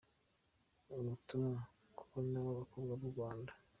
Ubutumwa ku bana b’abakobwa b’u Rwanda